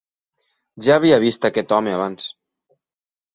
Ja havia vist aquest home abans.